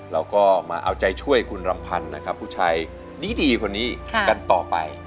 เราก็มาเอาใจช่วยคุณรำพันธ์นะครับผู้ชายดีคนนี้กันต่อไป